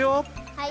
はい！